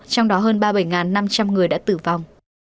trong đó hơn ba năm trăm linh người đã tử vong